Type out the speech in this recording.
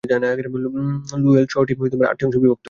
লোয়েল শহরটি আটটি অংশে বিভক্ত।